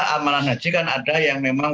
amanah haji kan ada yang memang